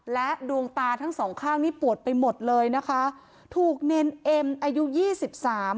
และดวงตาทั้งสองข้างนี่ปวดไปหมดเลยนะคะถูกเนรเอ็มอายุยี่สิบสาม